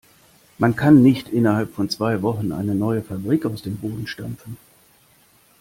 Man kann nicht innerhalb von zwei Wochen eine neue Fabrik aus dem Boden stampfen.